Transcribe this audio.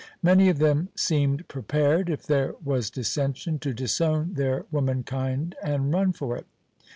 Many of them seemed prepared, if there was dissension, to disown their womankind and run for it.